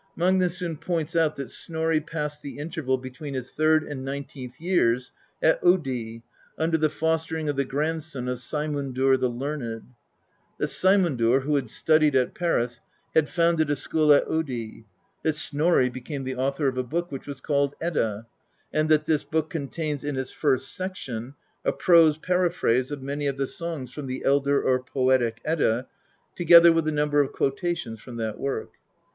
Magniisson^ points out that Snorri passed the interval between his third and nineteenth years at Oddi, under the fostering of the grandson of Saemundr the Learned; that Saemundr, who had studied at Paris, had founded a school at Oddi ; that Snorri became the author of a book which was called Edda; and that this book contains, in its first section, a prose paraphrase of many of the songs from the Elder or Poetic Edda^ to gether with a number of quotations from that work.